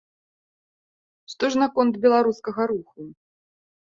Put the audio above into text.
Што ж наконт беларускага руху?